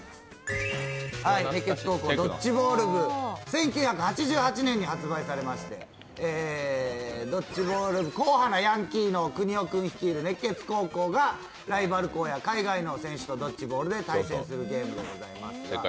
「熱血高校ドッジボール部」、１９８８年に発売されましてドッジボール、硬派なヤンキーくにおくん率いる熱血高校がライバル校や海外の選手とドッジボールで対戦するゲームでございました。